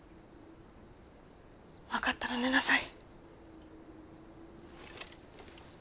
分かったら寝なさい。